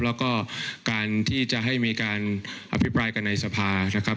แล้วก็การที่จะให้มีการอภิปรายกันในสภานะครับ